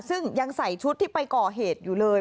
ซึ่งยังใส่ชุดที่ไปก่อเหตุอยู่เลย